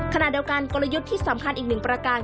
ขณะเดียวกันกลยุทธ์ที่สำคัญอีกหนึ่งประการ